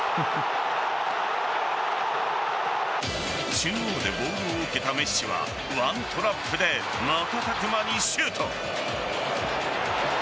中央でボールを受けたメッシはワントラップで瞬く間にシュート。